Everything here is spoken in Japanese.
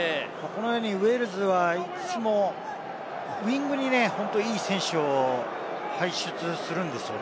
ウェールズはいつもウイングにいい選手を輩出するんですよね。